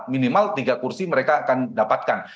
minimal tiga kursi mereka akan dapatkan